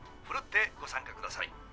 奮ってご参加ください。